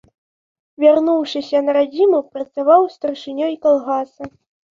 Вярнуўшыся на радзіму, працаваў старшынёй калгаса.